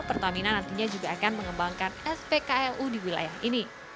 pertamina nantinya juga akan mengembangkan spklu di wilayah ini